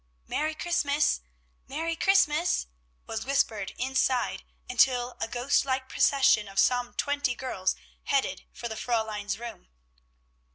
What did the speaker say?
"Merry Christmas! Merry Christmas!" was whispered inside, until a ghost like procession of some twenty girls headed for the Fräulein's room.